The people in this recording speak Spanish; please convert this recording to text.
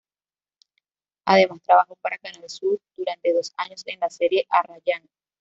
Además, trabajó para Canal Sur durante dos años en la serie "Arrayán".